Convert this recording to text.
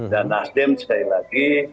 dan nasdem sekali lagi